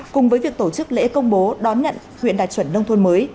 cùng với việc tổ chức lễ công bố đón nhận huyện đạt chuẩn nông thôn mới